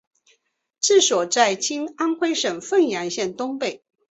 治所在今安徽省凤阳县东北。